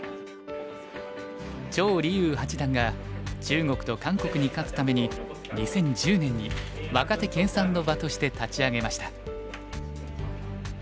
張豊八段が中国と韓国に勝つために２０１０年に若手研さんの場として立ち上げました。